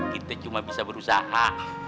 kita cuma bisa berusaha